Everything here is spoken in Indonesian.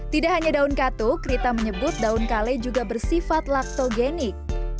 tidak hanya daun katuk rita menyebut daun kale juga bersifat laktogenik